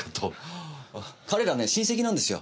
あっ彼らね親戚なんですよ。